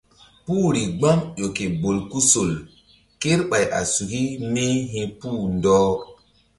Puhri gbam ƴo ke bolkusol kerɓay a suki mí hi̧puh ɗɔh.